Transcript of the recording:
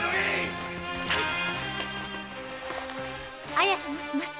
綾と申します。